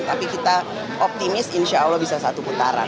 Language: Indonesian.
tapi kita optimis insya allah bisa satu putaran